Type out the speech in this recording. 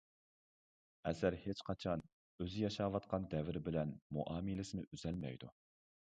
ئەسەر ھېچقاچان ئۆزى ياشاۋاتقان دەۋر بىلەن مۇئامىلىسىنى ئۈزەلمەيدۇ.